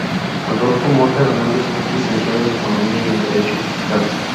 Adolfo Mota Hernández es licenciado en economía y en derecho fiscal.